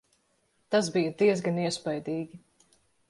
Tas bija diezgan iespaidīgi.